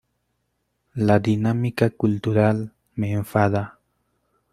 La dinámica cultural me enfada.